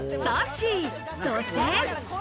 さっしー、そして。